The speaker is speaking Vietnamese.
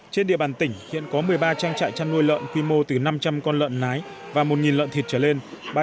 trên địa bàn tỉnh hiện có một mươi ba trang trại chăn nuôi lợn quy mô từ năm trăm linh con lợn nái và một lợn thịt trở lên